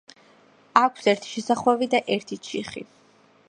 აქვს ერთი შესახვევი და ერთი ჩიხი.